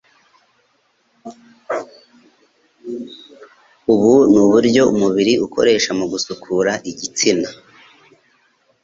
ubu ni uburyo umubiri ukoresha mu gusukura igitsina.